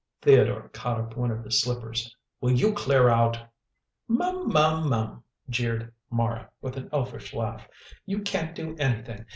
Theodore caught up one of his slippers. "Will you clear out?" "Mum! Mum! Mum!" jeered Mara, with an elfish laugh. "You can't do anything.